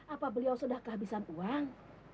apa beliau sudah kehabisan uang